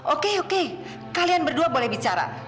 oke oke kalian berdua boleh bicara